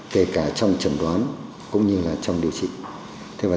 kể cả trong trần đoán cũng như trong điều trị